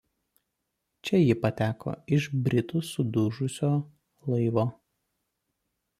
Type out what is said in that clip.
Čia ji pateko iš britų sudužusio laivo.